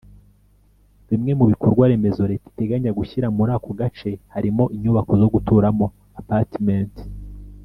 Bimwe mu bikorwaremezo Leta iteganya gushyira muri ako gace harimo inyubako zo guturamo “Appartments”